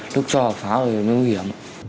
lúc cho pháo thì nó nguy hiểm